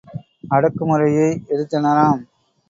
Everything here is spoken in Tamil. அடக்கு முறையை எதிர்த்தனராம்.